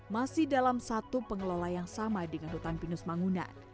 masih dalam satu pengelola yang sama dengan hutan pinus mangunan